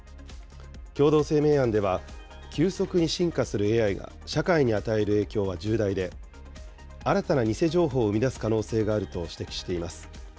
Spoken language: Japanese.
共同声明案では、急速に進化するＡＩが社会に与える影響は重大で、新たな偽情報を生み出す可能性があると指摘しています。